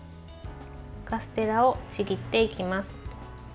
カステラをちぎっていきます。